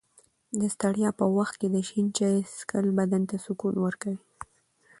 د ستړیا په وخت کې د شین چای څښل بدن ته سکون ورکوي.